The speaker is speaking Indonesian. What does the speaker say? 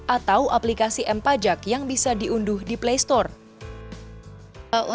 atau aplikasi m pajak yang bisa diunduh di playstore